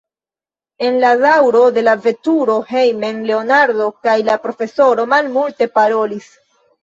En la daŭro de la veturo hejmen Leonardo kaj la profesoro malmulte parolis.